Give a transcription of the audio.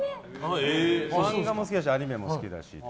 漫画も好きだしアニメも好きだし。